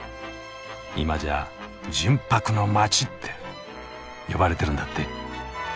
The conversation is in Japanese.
今じゃ「純白の街」って呼ばれてるんだって。